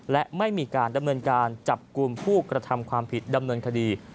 และไม่มีการดำเนินการจับกลุ่มผู้กระทำความผิดดำเนินคดี